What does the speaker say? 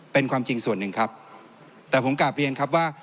เป็นความจริงส่วนหนึ่งครับแต่ผมกลับเรียนครับว่า